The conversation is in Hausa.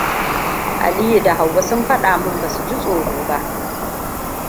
Aliyu da Hauwa sun faɗa min ba su ji tsoro ba.